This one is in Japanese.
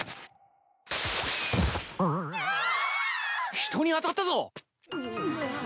人に当たったぞ。